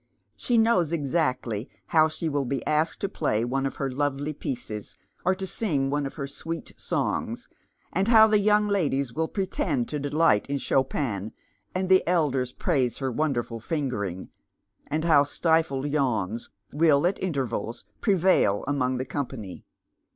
She knows exactly how slie will be asked to play one of her lovely pieces, or to sing one of her sweet songs, and liow the young ladies will pretend to delight iu Chopin, and the elders praise her wonderful "fingering," and how stifled yawns will at intervals prevail among the company.